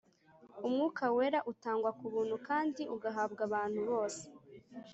umwuka wera utangwa kubuntu kandi ugahabwa abantu bose